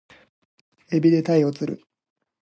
海老で鯛を釣る